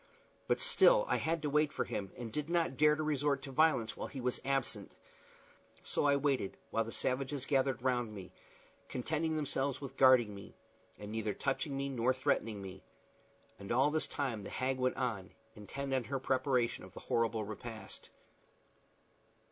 But still I had to wait for him, and did not dare to resort to violence while he was absent; so I waited, while the savages gathered round me, contenting themselves with guarding me, and neither touching me nor threatening me. And all this time the hag went on, intent on her preparation of the horrible repast.